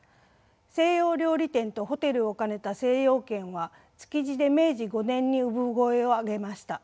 西洋料理店とホテルを兼ねた精養軒は築地で明治５年に産声を上げました。